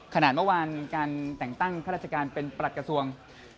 เมื่อวานการแต่งตั้งข้าราชการเป็นประหลักกระทรวง